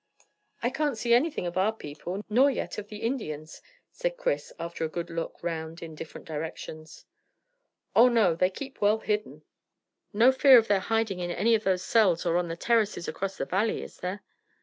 "I can't see anything of our people, nor yet of the Indians," said Chris, after a good look round in different directions. "Oh, no; they keep well hidden." "No fear of their hiding in any of those cells or on the terraces across the valley, is there?"